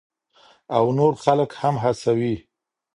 او نور خلک هم هڅوي.